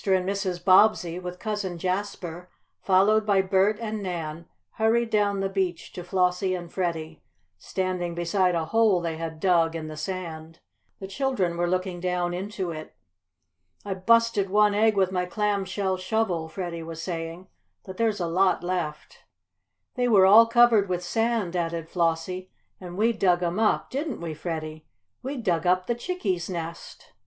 and Mrs. Bobbsey, with Cousin Jasper, followed by Bert and Nan, hurried down the beach to Flossie and Freddie, standing beside a hole they had dug in the sand. The children were looking down into it. "I busted one egg with my clam shell shovel," Freddie was saying, "but there's a lot left." "They were all covered with sand," added Flossie. "And we dug 'em up! Didn't we, Freddie? We dug up the chickie's nest!"